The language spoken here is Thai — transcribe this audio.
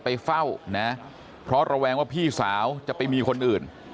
ไปเฝ้านะเพราะระแวงว่าพี่สาวจะไปมีคนอื่น